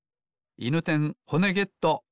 いぬてんほねゲット！